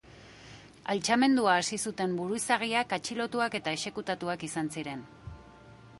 Altxamendua hasi zuten buruzagiak atxilotuak eta exekutatuak izan ziren.